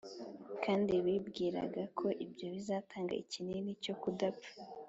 kandi bibwiraga ko ibyo bizatanga ikinini cyo kudapfa.